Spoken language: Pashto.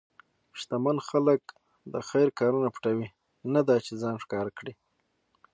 شتمن خلک د خیر کارونه پټوي، نه دا چې ځان ښکاره کړي.